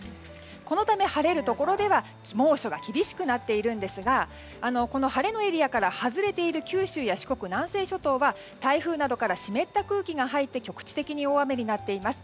このため晴れるところでは猛暑が厳しくなっているんですがこの晴れのエリアから外れている九州や四国南西諸島は、台風などから湿った空気が入って局地的に大雨になっています。